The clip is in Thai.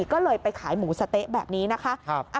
ก็เลยไปขายหมูสะเต๊ะแบบนี้นะคะ